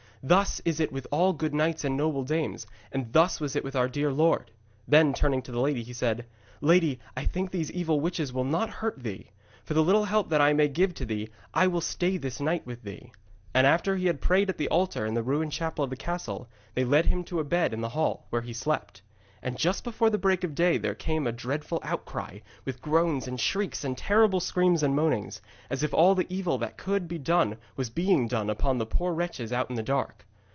Thus is it with all good knights and noble dames, and thus was it with our dear Lord.' Then turning to the lady, he said: 'Lady, I think these evil witches will not hurt thee. For the little help that I may give to thee, I will stay this night with thee.' After he had prayed at the altar in the ruined chapel of the castle, they led him to a bed in the hall, where he slept. And just before the break of day there came a dreadful outcry, with groans and shrieks and terrible screams and moanings, as if all the evil that could be done was being done upon poor wretches out in the dark.